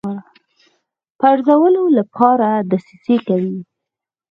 پرزولو لپاره دسیسې کوي.